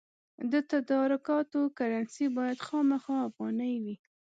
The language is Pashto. د تدارکاتو کرنسي باید خامخا افغانۍ وي.